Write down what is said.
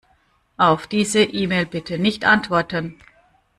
Auf diese E-Mail bitte nicht antworten.